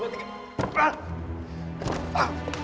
dua tiga empat